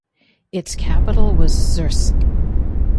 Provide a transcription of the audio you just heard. Its capital was Czersk.